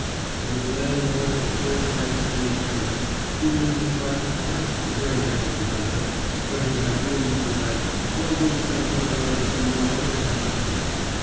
And the landlord of the Forsyth street tenement, who in his heart liked the gray haired inventor, but who had rooms to let, grumbled something about a to morrow that never came.